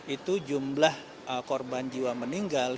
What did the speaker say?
itu jumlah korban jiwa meninggal